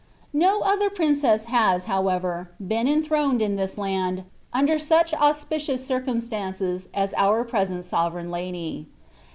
'No other princess has, however, been enthroned in this land, under such auspicious circumstances as our present sovereign lady.